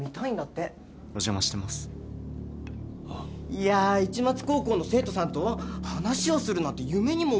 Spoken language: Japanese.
いやぁ市松高校の生徒さんと話をするなんて夢にも思わなかったです。